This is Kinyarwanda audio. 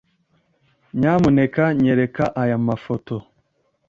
Nyamuneka, nyereka aya mafoto.